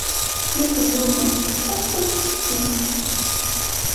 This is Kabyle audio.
Ma telluẓemt, maɣef ur tettettemt?